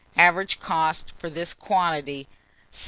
Average cost, for this quantity, 7d.